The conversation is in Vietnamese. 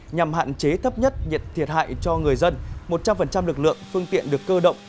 nhằm hạn chế thấp nhất nhiệt thiệt hại cho người dân một trăm linh lực lượng phương tiện được cơ động